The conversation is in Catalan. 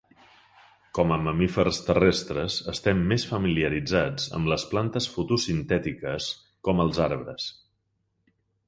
Com a mamífers terrestres, estem més familiaritzats amb les plantes fotosintètiques com els arbres.